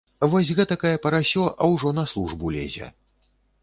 Вось гэтакае парасё, а ўжо на службу лезе.